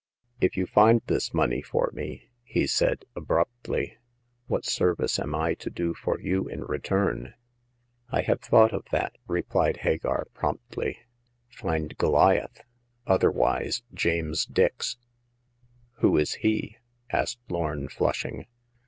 If you find this money for me," he said, abruptly, " what service am I to do for you in return ?"" I have thought of that," replied Hagar, promptly. " Find Goliath— otherwise James The First Customer. 55 " Who is he ?'* asked Lorn, flushing.